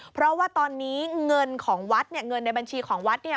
เพราะว่าตอนนี้เงินของวัดเนี่ยเงินในบัญชีของวัดเนี่ย